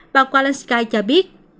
bà walensky cho biết